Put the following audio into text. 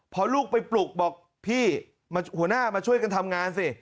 พอลูกไปปลุกบอกพี่หัวหน้ามาช่วยกันทำงานสิ